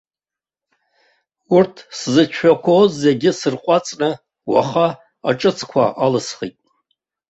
Урҭ сзыцәшәақәоз зегьы сырҟәаҵны уаха аҿыцқәа алсхит.